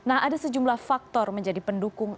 nah ada sejumlah faktor menjadi pendukung